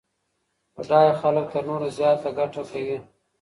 بډای خلګ تر نورو زياته ګټه کوي.